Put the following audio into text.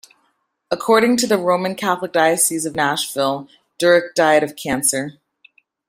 According to the Roman Catholic Diocese of Nashville, Durick died of cancer.